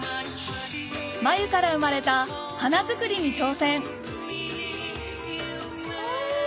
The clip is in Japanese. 繭から生まれた花作りに挑戦あぁ！